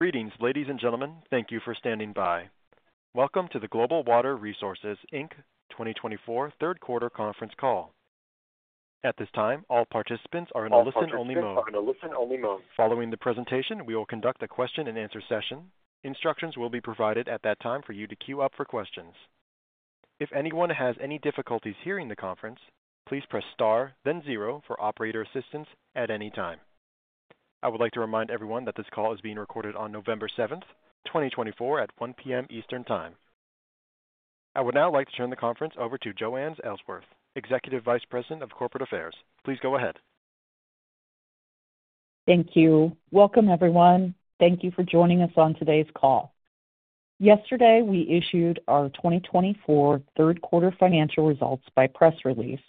Greetings, ladies and gentlemen. Thank you for standing by. Welcome to the Global Water Resources, Inc. 2024 third quarter conference call. At this time, all participants are in a listen-only mode. Following the presentation, we will conduct a question-and-answer session. Instructions will be provided at that time for you to queue up for questions. If anyone has any difficulties hearing the conference, please press star, then zero for operator assistance at any time. I would like to remind everyone that this call is being recorded on November 7th, 2024, at 1:00 P.M. Eastern Time. I would now like to turn the conference over to Joanne Ellsworth, Executive Vice President of Corporate Affairs. Please go ahead. Thank you. Welcome, everyone. Thank you for joining us on today's call. Yesterday, we issued our 2024 third quarter financial results by press release,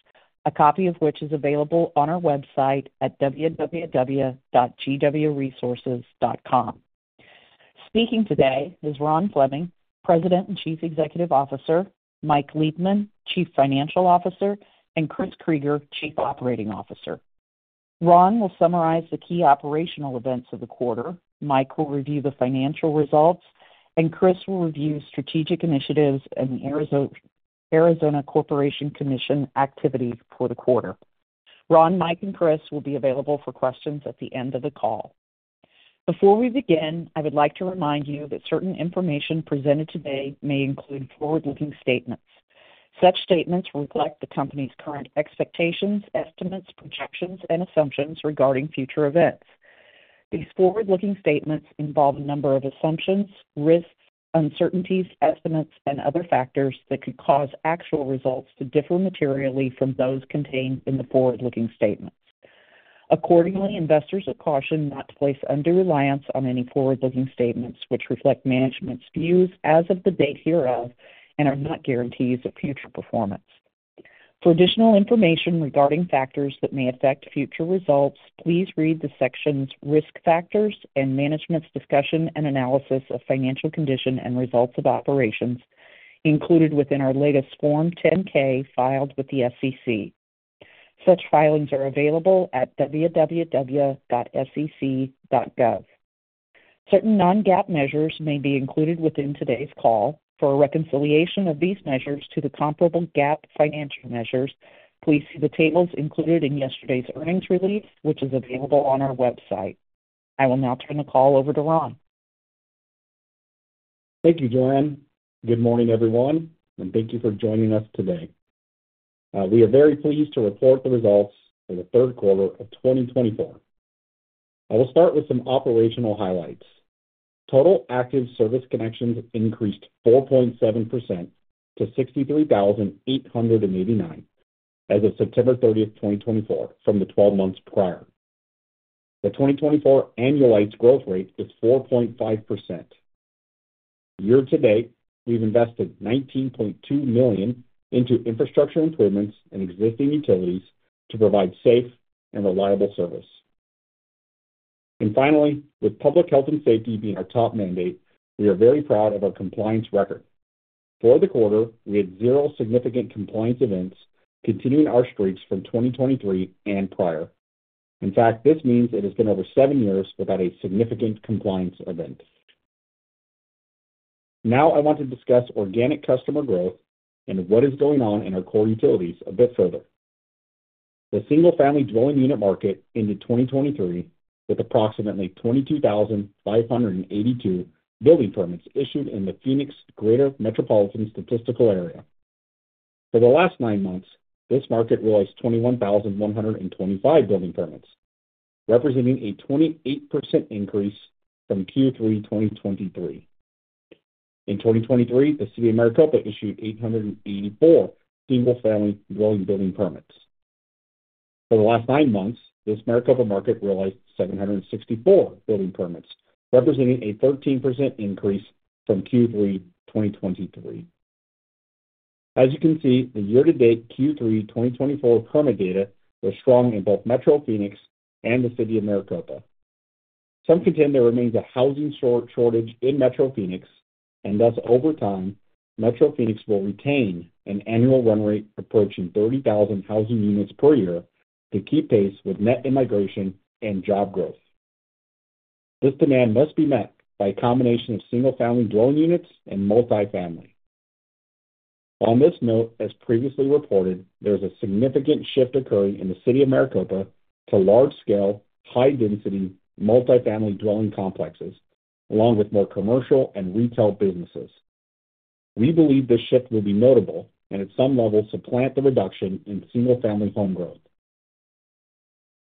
a copy of which is available on our website at www.gwresources.com. Speaking today is Ron Fleming, President and Chief Executive Officer, Mike Liebman, Chief Financial Officer, and Chris Krygier, Chief Operating Officer. Ron will summarize the key operational events of the quarter. Mike will review the financial results, and Chris will review strategic initiatives and the Arizona Corporation Commission activity for the quarter. Ron, Mike, and Chris will be available for questions at the end of the call. Before we begin, I would like to remind you that certain information presented today may include forward-looking statements. Such statements reflect the company's current expectations, estimates, projections, and assumptions regarding future events. These forward-looking statements involve a number of assumptions, risks, uncertainties, estimates, and other factors that could cause actual results to differ materially from those contained in the forward-looking statements. Accordingly, investors are cautioned not to place undue reliance on any forward-looking statements, which reflect management's views as of the date hereof and are not guarantees of future performance. For additional information regarding factors that may affect future results, please read the sections Risk Factors and Management's Discussion and Analysis of Financial Condition and Results of Operations, included within our latest Form 10-K filed with the SEC. Such filings are available at www.sec.gov. Certain non-GAAP measures may be included within today's call. For a reconciliation of these measures to the comparable GAAP financial measures, please see the tables included in yesterday's earnings release, which is available on our website. I will now turn the call over to Ron. Thank you, Joanne. Good morning, everyone, and thank you for joining us today. We are very pleased to report the results for the third quarter of 2024. I will start with some operational highlights. Total active service connections increased 4.7% to 63,889 as of September 30th, 2024, from the 12 months prior. The 2024 annualized growth rate is 4.5%. Year to date, we've invested $19.2 million into infrastructure improvements and existing utilities to provide safe and reliable service. And finally, with public health and safety being our top mandate, we are very proud of our compliance record. For the quarter, we had zero significant compliance events continuing our streaks from 2023 and prior. In fact, this means it has been over seven years without a significant compliance event. Now, I want to discuss organic customer growth and what is going on in our core utilities a bit further. The single-family dwelling unit market ended 2023 with approximately 22,582 building permits issued in the Phoenix Greater Metropolitan Statistical Area. For the last nine months, this market released 21,125 building permits, representing a 28% increase from Q3 2023. In 2023, the City of Maricopa issued 884 single-family dwelling building permits. For the last nine months, this Maricopa market realized 764 building permits, representing a 13% increase from Q3 2023. As you can see, the year-to-date Q3 2024 permit data was strong in both Metro Phoenix and the City of Maricopa. Some contend there remains a housing shortage in Metro Phoenix, and thus, over time, Metro Phoenix will retain an annual run rate approaching 30,000 housing units per year to keep pace with net immigration and job growth. This demand must be met by a combination of single-family dwelling units and multi-family. On this note, as previously reported, there is a significant shift occurring in the City of Maricopa to large-scale, high-density multi-family dwelling complexes, along with more commercial and retail businesses. We believe this shift will be notable and, at some level, supplant the reduction in single-family home growth.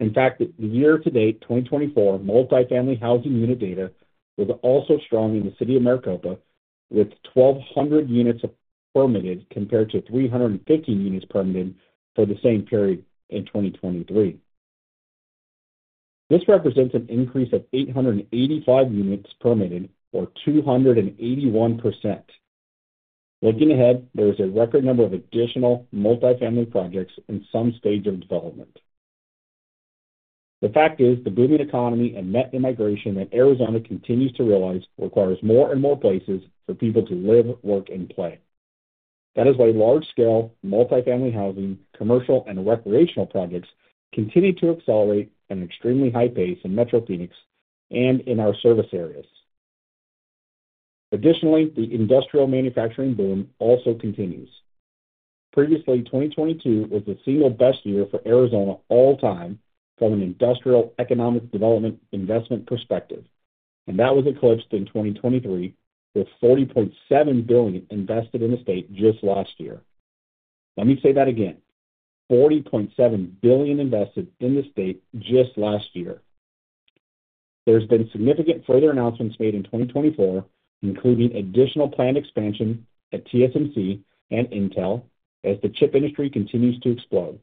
In fact, the year-to-date 2024 multi-family housing unit data was also strong in the City of Maricopa, with 1,200 units permitted compared to 350 units permitted for the same period in 2023. This represents an increase of 885 units permitted, or 281%. Looking ahead, there is a record number of additional multi-family projects in some stage of development. The fact is, the booming economy and net immigration that Arizona continues to realize requires more and more places for people to live, work, and play. That is why large-scale multi-family housing, commercial, and recreational projects continue to accelerate at an extremely high pace in Metro Phoenix and in our service areas. Additionally, the industrial manufacturing boom also continues. Previously, 2022 was the single best year for Arizona all time from an industrial economic development investment perspective, and that was eclipsed in 2023 with $40.7 billion invested in the state just last year. Let me say that again: $40.7 billion invested in the state just last year. There have been significant further announcements made in 2024, including additional planned expansion at TSMC and Intel as the chip industry continues to explode.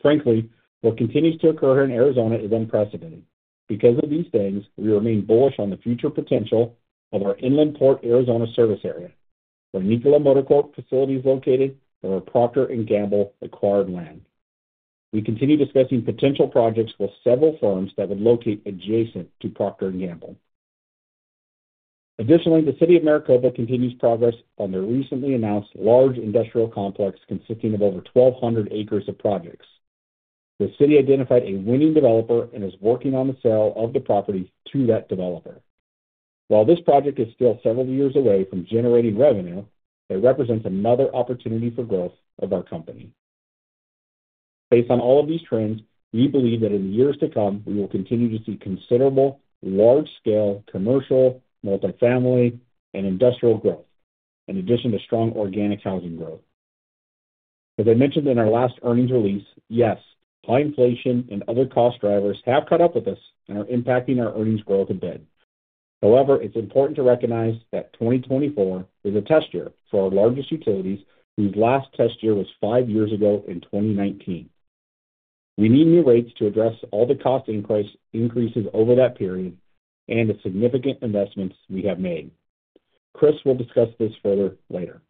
Frankly, what continues to occur here in Arizona is unprecedented. Because of these things, we remain bullish on the future potential of our Inland Port Arizona service area, where Nikola Corporation facility is located and where Procter & Gamble acquired land. We continue discussing potential projects with several firms that would locate adjacent to Procter & Gamble. Additionally, the City of Maricopa continues progress on their recently announced large industrial complex consisting of over 1,200 acres of projects. The city identified a winning developer and is working on the sale of the property to that developer. While this project is still several years away from generating revenue, it represents another opportunity for growth of our company. Based on all of these trends, we believe that in the years to come, we will continue to see considerable large-scale commercial, multi-family, and industrial growth, in addition to strong organic housing growth. As I mentioned in our last earnings release, yes, high inflation and other cost drivers have caught up with us and are impacting our earnings growth a bit. However, it's important to recognize that 2024 is a test year for our largest utilities, whose last test year was five years ago in 2019. We need new rates to address all the cost increases over that period and the significant investments we have made. Chris will discuss this further later.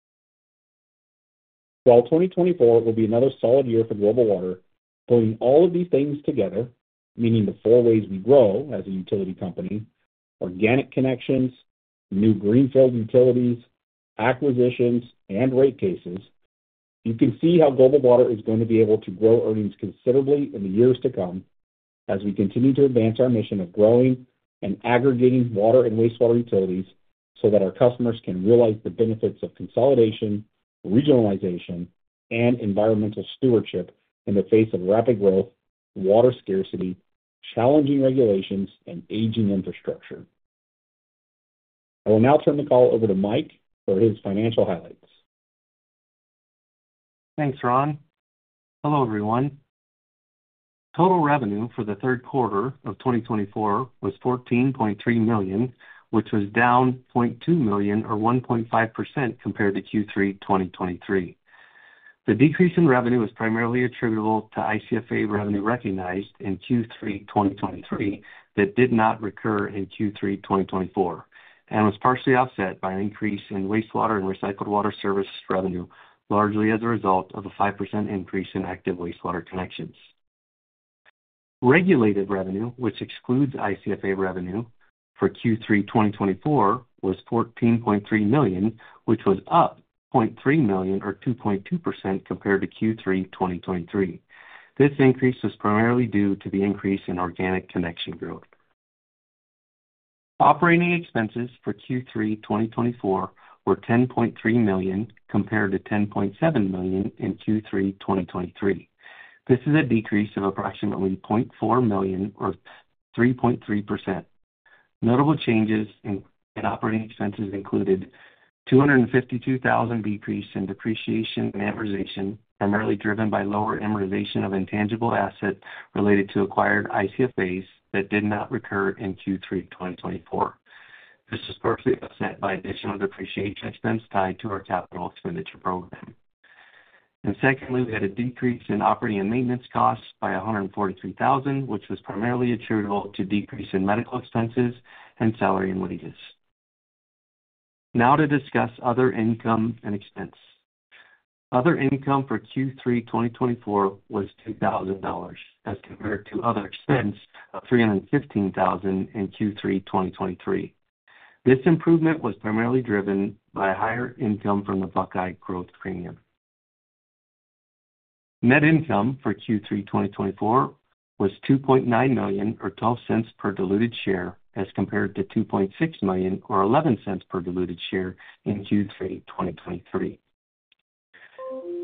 While 2024 will be another solid year for Global Water, pulling all of these things together, meaning the four ways we grow as a utility company: organic connections, new greenfield utilities, acquisitions, and rate cases, you can see how Global Water is going to be able to grow earnings considerably in the years to come as we continue to advance our mission of growing and aggregating water and wastewater utilities so that our customers can realize the benefits of consolidation, regionalization, and environmental stewardship in the face of rapid growth, water scarcity, challenging regulations, and aging infrastructure. I will now turn the call over to Mike for his financial highlights. Thanks, Ron. Hello, everyone. Total revenue for the third quarter of 2024 was $14.3 million, which was down $0.2 million, or 1.5%, compared to Q3 2023. The decrease in revenue is primarily attributable to ICFA revenue recognized in Q3 2023 that did not recur in Q3 2024 and was partially offset by an increase in wastewater and recycled water service revenue, largely as a result of a 5% increase in active wastewater connections. Regulated revenue, which excludes ICFA revenue for Q3 2024, was $14.3 million, which was up $0.3 million, or 2.2%, compared to Q3 2023. This increase was primarily due to the increase in organic connection growth. Operating expenses for Q3 2024 were $10.3 million compared to $10.7 million in Q3 2023. This is a decrease of approximately $0.4 million, or 3.3%. Notable changes in operating expenses included a $252,000 decrease in depreciation and amortization, primarily driven by lower amortization of intangible assets related to acquired ICFAs that did not recur in Q3 2024. This was partially offset by additional depreciation expense tied to our capital expenditure program. And secondly, we had a decrease in operating and maintenance costs by $143,000, which was primarily attributable to a decrease in medical expenses and salary and wages. Now, to discuss other income and expense. Other income for Q3 2024 was $2,000 as compared to other expenses of $315,000 in Q3 2023. This improvement was primarily driven by a higher income from the Buckeye Growth Premium. Net income for Q3 2024 was $2.9 million, or $0.12 per diluted share, as compared to $2.6 million, or $0.11 per diluted share in Q3 2023.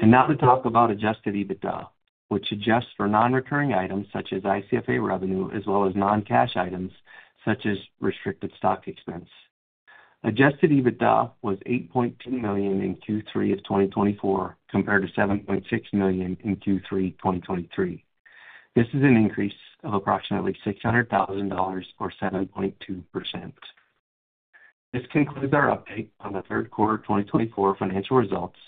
And now to talk about Adjusted EBITDA, which adjusts for non-recurring items such as ICFA revenue, as well as non-cash items such as restricted stock expense. Adjusted EBITDA was $8.2 million in Q3 of 2024 compared to $7.6 million in Q3 2023. This is an increase of approximately $600,000, or 7.2%. This concludes our update on the third quarter 2024 financial results.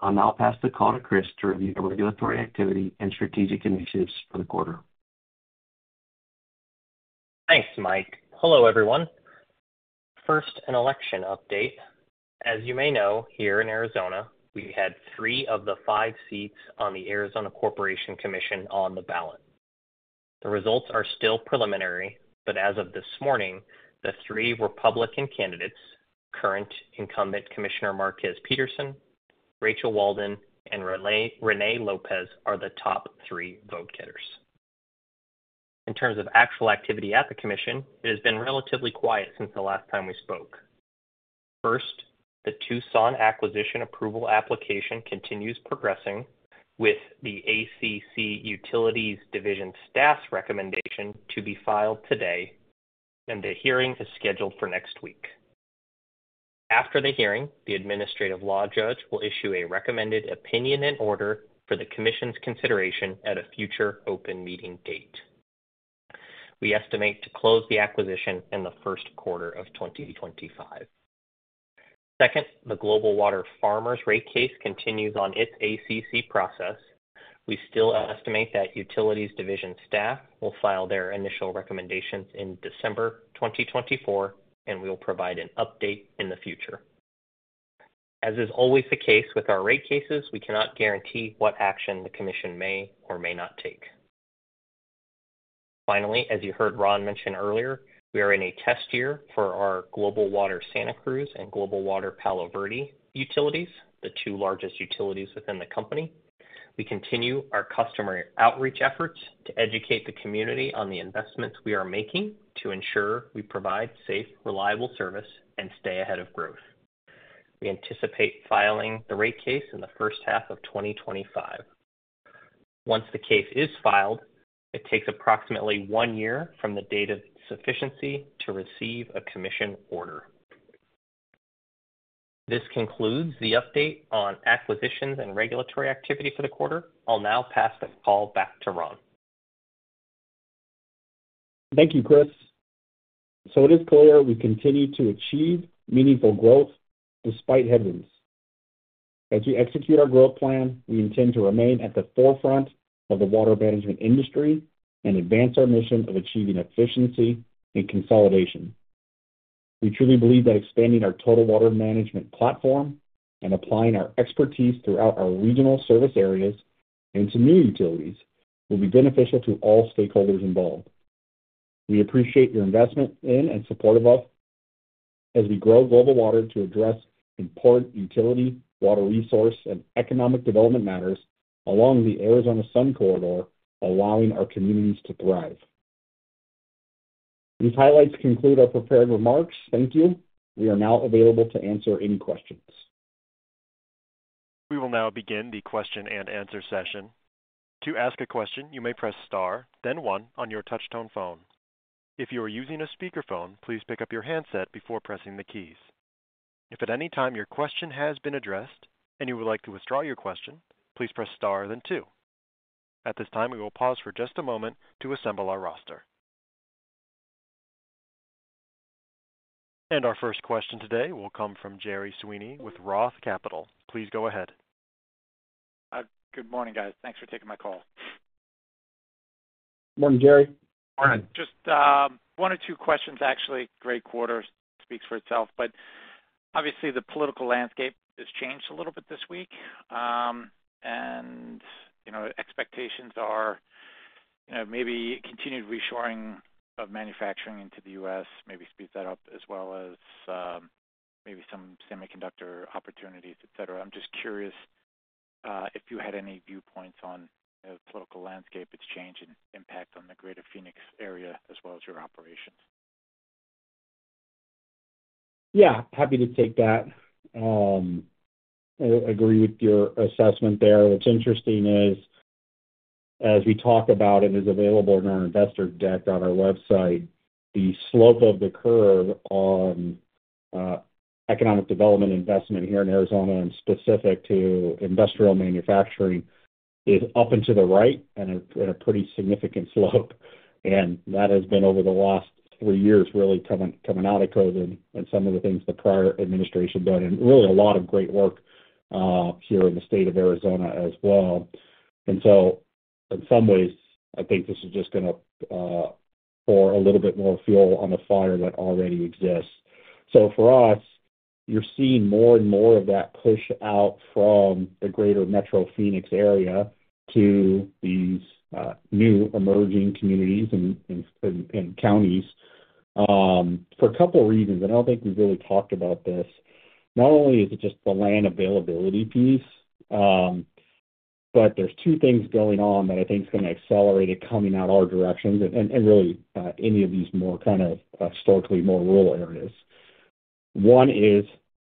I'll now pass the call to Chris to review the regulatory activity and strategic initiatives for the quarter. Thanks, Mike. Hello, everyone. First, an election update. As you may know, here in Arizona, we had three of the five seats on the Arizona Corporation Commission on the ballot. The results are still preliminary, but as of this morning, the three Republican candidates, current incumbent Commissioner Márquez Peterson, Rachel Walden, and Rene Lopez, are the top three vote getters. In terms of actual activity at the commission, it has been relatively quiet since the last time we spoke. First, the Tucson acquisition approval application continues progressing, with the ACC Utilities Division staff's recommendation to be filed today, and the hearing is scheduled for next week. After the hearing, the administrative law judge will issue a recommended opinion and order for the commission's consideration at a future open meeting date. We estimate to close the acquisition in the first quarter of 2025. Second, the Global Water Farmers rate case continues on its ACC process. We still estimate that Utilities Division staff will file their initial recommendations in December 2024, and we will provide an update in the future. As is always the case with our rate cases, we cannot guarantee what action the commission may or may not take. Finally, as you heard Ron mention earlier, we are in a test year for our Global Water Santa Cruz and Global Water Palo Verde utilities, the two largest utilities within the company. We continue our customer outreach efforts to educate the community on the investments we are making to ensure we provide safe, reliable service and stay ahead of growth. We anticipate filing the rate case in the first half of 2025. Once the case is filed, it takes approximately one year from the date of sufficiency to receive a commission order. This concludes the update on acquisitions and regulatory activity for the quarter. I'll now pass the call back to Ron. Thank you, Chris. So it is clear we continue to achieve meaningful growth despite headwinds. As we execute our growth plan, we intend to remain at the forefront of the water management industry and advance our mission of achieving efficiency and consolidation. We truly believe that expanding our total water management platform and applying our expertise throughout our regional service areas and to new utilities will be beneficial to all stakeholders involved. We appreciate your investment in and support of us as we grow Global Water Resources to address important utility water resource and economic development matters along the Arizona Sun Corridor, allowing our communities to thrive. These highlights conclude our prepared remarks. Thank you. We are now available to answer any questions. We will now begin the question and answer session. To ask a question, you may press star, then one, on your touch-tone phone. If you are using a speakerphone, please pick up your handset before pressing the keys. If at any time your question has been addressed and you would like to withdraw your question, please press star, then two. At this time, we will pause for just a moment to assemble our roster, and our first question today will come from Gerry Sweeney with Roth Capital. Please go ahead. Good morning, guys. Thanks for taking my call. Morning, Gerry. Morning. Just one or two questions, actually. Great quarter speaks for itself. But obviously, the political landscape has changed a little bit this week. And expectations are maybe continued reshoring of manufacturing into the U.S. maybe speeds that up, as well as maybe some semiconductor opportunities, etc. I'm just curious if you had any viewpoints on the political landscape's change and impact on the Greater Phoenix area, as well as your operations. Yeah, happy to take that. I agree with your assessment there. What's interesting is, as we talk about it and is available in our investor deck on our website, the slope of the curve on economic development investment here in Arizona and specific to industrial manufacturing is up and to the right and a pretty significant slope, and that has been, over the last three years, really coming out of COVID and some of the things the prior administration did and really a lot of great work here in the state of Arizona as well, and so in some ways, I think this is just going to pour a little bit more fuel on the fire that already exists, so for us, you're seeing more and more of that push out from the greater Metro Phoenix area to these new emerging communities and counties for a couple of reasons. I don't think we've really talked about this. Not only is it just the land availability piece, but there's two things going on that I think are going to accelerate it coming out of our jurisdictions and really any of these more kind of historically more rural areas. One is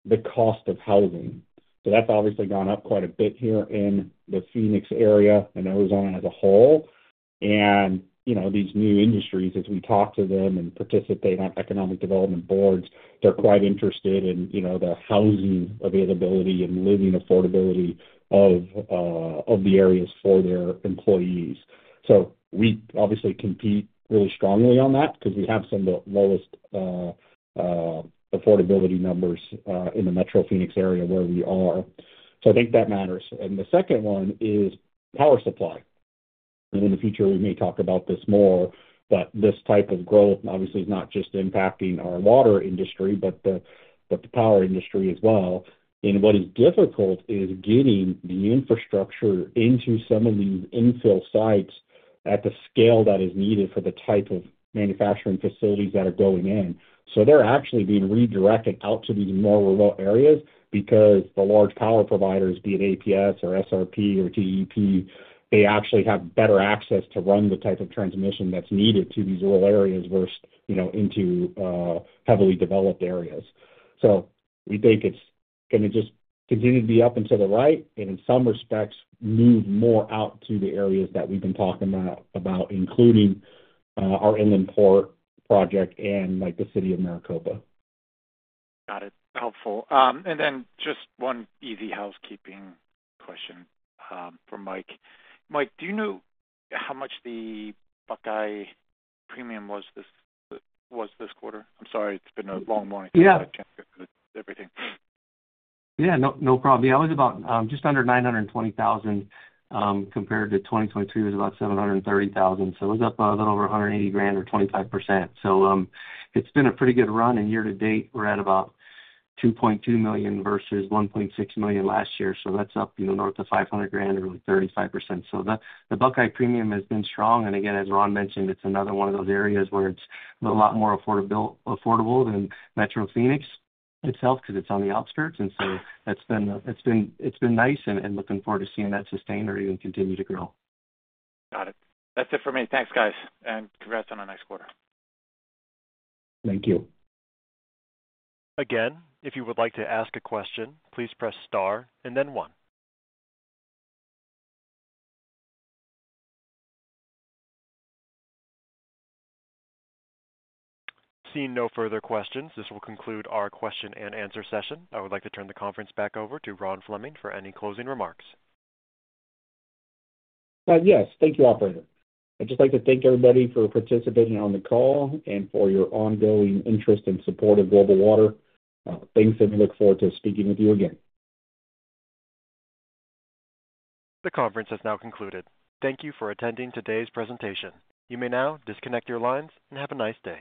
the cost of housing. So that's obviously gone up quite a bit here in the Phoenix area and Arizona as a whole. And these new industries, as we talk to them and participate on economic development boards, they're quite interested in the housing availability and living affordability of the areas for their employees. So we obviously compete really strongly on that because we have some of the lowest affordability numbers in the Metro Phoenix area where we are. So I think that matters. And the second one is power supply. And in the future, we may talk about this more, but this type of growth obviously is not just impacting our water industry, but the power industry as well. And what is difficult is getting the infrastructure into some of these infill sites at the scale that is needed for the type of manufacturing facilities that are going in. So they're actually being redirected out to these more remote areas because the large power providers, be it APS or SRP or TEP, they actually have better access to run the type of transmission that's needed to these rural areas versus into heavily developed areas. So we think it's going to just continue to be up and to the right and, in some respects, move more out to the areas that we've been talking about, including our Inland Port Arizona project and the City of Maricopa. Got it. Helpful. And then just one easy housekeeping question for Mike. Mike, do you know how much the Buckeye Premium was this quarter? I'm sorry. It's been a long morning. I can't hear everything. Yeah, no problem. Yeah, it was about just under $920,000 compared to 2023, it was about $730,000. So it was up a little over $180,000 or 25%. So it's been a pretty good run. And year to date, we're at about $2.2 million versus $1.6 million last year. So that's up north of $500,000 or 35%. So the Buckeye Premium has been strong. And again, as Ron mentioned, it's another one of those areas where it's a lot more affordable than Metro Phoenix itself because it's on the outskirts. And so it's been nice and looking forward to seeing that sustain or even continue to grow. Got it. That's it for me. Thanks, guys, and congrats on the next quarter. Thank you. Again, if you would like to ask a question, please press star and then one. Seeing no further questions, this will conclude our question and answer session. I would like to turn the conference back over to Ron Fleming for any closing remarks. Yes, thank you, operator. I'd just like to thank everybody for participating on the call and for your ongoing interest and support of Global Water. Thanks, and we look forward to speaking with you again. The conference has now concluded. Thank you for attending today's presentation. You may now disconnect your lines and have a nice day.